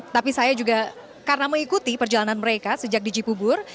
tapi saya juga karena mengikuti perjalanan mereka sejak di jipubur